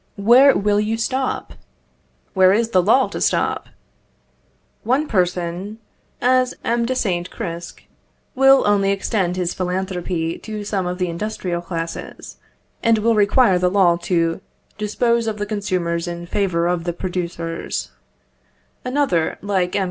Where will you stop? Where is the law to stop? One person, as M. de Saint Cricq, will only extend his philanthropy to some of the industrial classes, and will require the law to dispose of the consumers in favour of the producers. Another, like M.